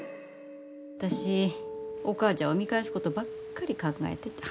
私お母ちゃんを見返すことばっかり考えてた。